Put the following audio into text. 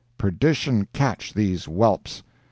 Perdition catch these whelps!